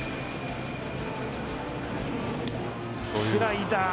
スライダー。